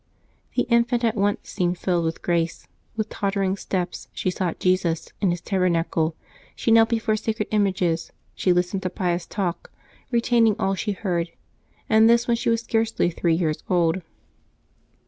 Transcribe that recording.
The infant at once seemed filled with grace; with tottering steps she sought Jesus in His tabernacle, she knelt before sacred images, she listened to pious talk, re taining all she heard, and this when she was scarcely three years old.